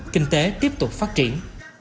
kinh tế tiếp tục phát triển